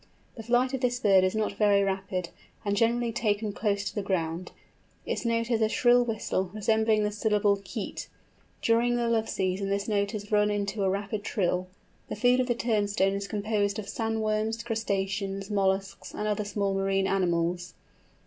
The flight of this bird is not very rapid, and generally taken close to the ground; its note is a shrill whistle, resembling the syllable keet. During the love season this note is run into a rapid trill. The food of the Turnstone is composed of sand worms, crustaceans, molluscs, and other small marine animals.